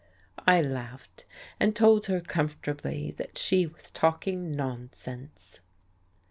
I laughed, and told her, comfortably, that she was talking nonsense.